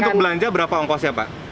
untuk belanja berapa ongkosnya pak